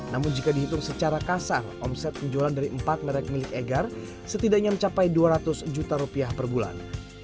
namun jika dihitung secara kasar omset penjualan dari empat merek milik egar setidaknya mencapai dua ratus juta rupiah per bulan